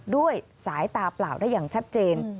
ด้วยสายตาเปล่าได้อย่างชัดเจน